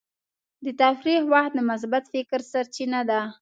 د تفریح وخت د مثبت فکر سرچینه ده.